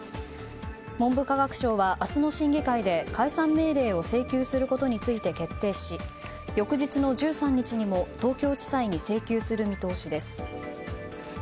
文部科学省は明日の審議会で解散命令を請求することについて決定し翌日の１３日にも東京地裁に請求する見通しです。